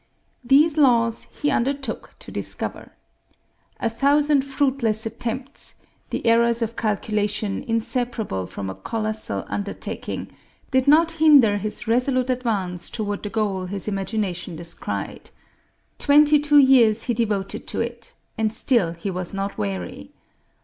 These laws he undertook to discover. A thousand fruitless attempts the errors of calculation inseparable from a colossal undertaking did not hinder his resolute advance toward the goal his imagination descried. Twenty two years he devoted to it, and still he was not weary.